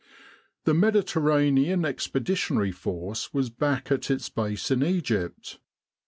The Mediterranean Expeditionary Force was back at its base in Egypt.